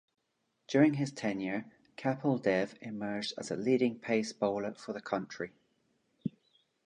During his tenure, Kapil Dev emerged as a leading pace bowler for the country.